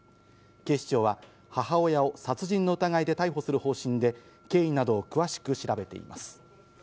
警視庁は、母親を殺人の疑いで逮捕する方針で、経緯などを詳しく調べています。